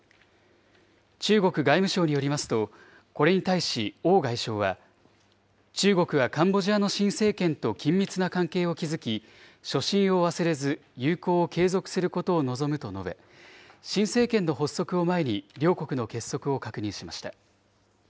中国外務省によりますと、これに対し王外相は、中国はカンボジアの新政権と緊密な関係を築き、初心を忘れず友好を継続することを望むと述べ、新政権の発足を前に、両国の結束を確認しました。